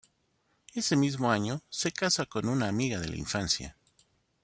Ese mismo año se casa con una amiga de la infancia.